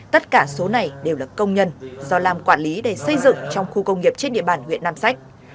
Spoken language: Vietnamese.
tất cả số này đều là công nhân do lam quản lý để xây dựng trong khu công nghiệp trên địa bàn huyện nam sách